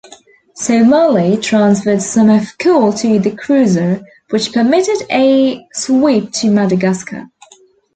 "Somali" transferred some of coal to the cruiser, which permitted a sweep to Madagascar.